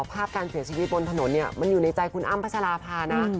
ภาพการเสียชีวิตบนถนนนี่มันอยู่ในใจขุนอ้ามพระศาลาภานะ